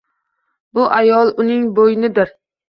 Bu ayol uning boʻynidir.